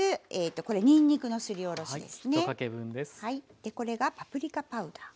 でこれがパプリカパウダー。